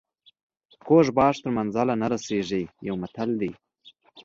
کوږ بار تر منزله نه رسیږي یو متل دی.